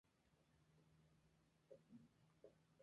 El trayecto completo de la carrera se realiza en el río Amazonas.